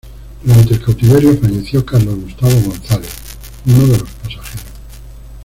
Durante el cautiverio falleció Carlos Gustavo González, uno de los pasajeros.